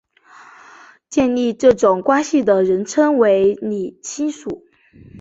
建立这种关系的人称为拟亲属。